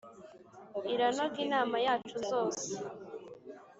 iranoga inama yacu zose